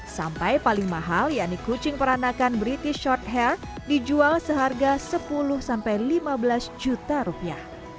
sampai paling mahal yakni kucing peranakan british shorthair dijual seharga rp sepuluh lima belas juta